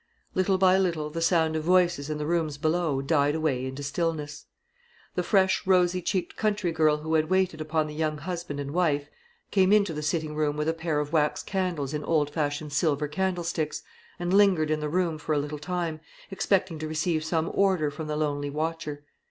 Little by little the sound of voices in the rooms below died away into stillness. The fresh rosy cheeked country girl who had waited upon the young husband and wife, came into the sitting room with a pair of wax candles in old fashioned silver candlesticks, and lingered in the room for a little time, expecting to receive some order from the lonely watcher.